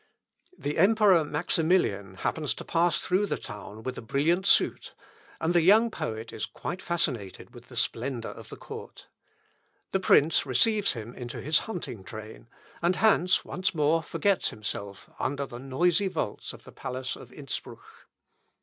The emperor, Maximilian, happens to pass through the town with a brilliant suite, and the young poet is quite fascinated with the splendour of the court. The prince receives him into his hunting train, and Hans once more forgets himself, under the noisy vaults of the palace of Insprüch.